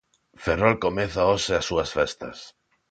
Ferrol comeza hoxe as súas festas.